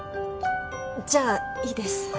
じゃあいいです。